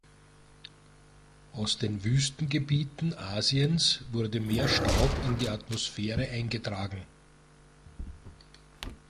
Aus den Wüstengebieten Asiens wurde mehr Staub in die Atmosphäre eingetragen.